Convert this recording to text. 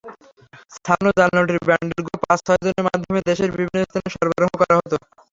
ছাপানো জাল নোটের বান্ডেলগুলো পাঁচ-ছয়জনের মাধ্যমে দেশের বিভিন্ন স্থানে সরবরাহ করা হতো।